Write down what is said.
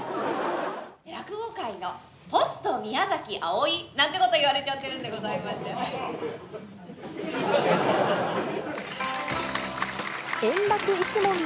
落語界のポスト宮崎あおいなんてことを言われちゃってるんでございましてね。